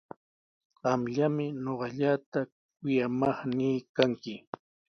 Qamllami ñuqallata kuyamaqnii kanki.